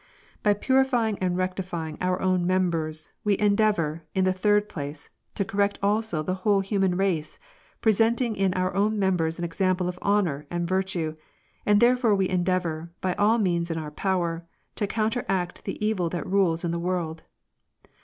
"By purifying and rectifying our own members, we en deavor, in the third place, to correct also the whole human race, presenting in our own members an example of honor and virtue, and therefore we endeavor, by all means in our power, to counteract the evil that rules in the world.